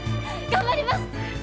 頑張ります！